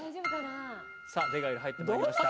デガエル入ってまいりました。